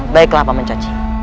baiklah pak mencaci